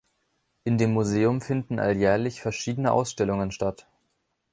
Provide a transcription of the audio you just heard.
In dem Museum finden alljährlich verschiedene Ausstellungen statt.